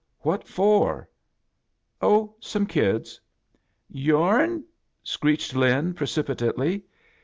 What for?" " Oh, some kids." " Yourn?" screeched Lin, precipitately.